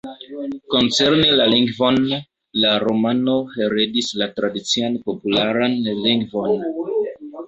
Koncerne la lingvon, la romano heredis la tradician popularan lingvon.